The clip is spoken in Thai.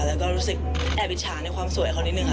แล้วก็รู้สึกแอบอิจฉาในความสวยเขานิดนึงค่ะ